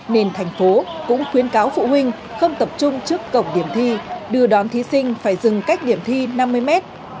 nên thành phố cũng khuyến cáo phụ huynh không tập trung trước cổng điểm thi đưa đón thí sinh phải dừng cách điểm thi năm mươi mét